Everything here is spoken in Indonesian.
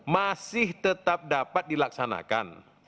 masih tetap dapat dilaksanakan